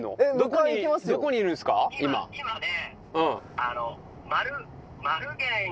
今ね。